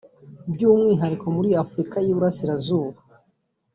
by’umwihariko muri Afurika y’Uburasirazuba